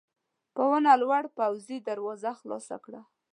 په ونه لوړ پوځي دروازه خلاصه کړه.